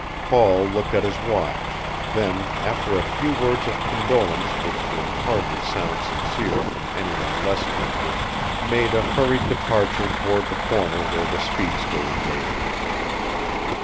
Paul looked at his watch, then, after a few words of condolence which would hardly sound sincere from any one less gifted, made a hurried departure toward the corner where the speedster was waiting.